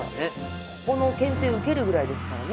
ここの検定受けるぐらいですからね。